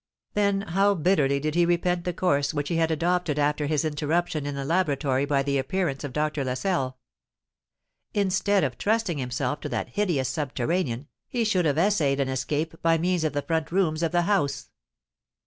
Then how bitterly did he repent the course which he had adopted after his interruption in the laboratory by the appearance of Doctor Lascelles. Instead of trusting himself to that hideous subterranean, he should have essayed an escape by means of the front rooms of the house.